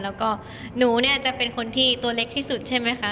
แล้วก็หนูเนี่ยจะเป็นคนที่ตัวเล็กที่สุดใช่ไหมคะ